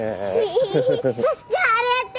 ヘヘヘあっじゃああれやって！